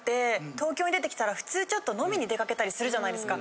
東京に出てきたら普通ちょっと飲みに出かけたりするじゃないですか。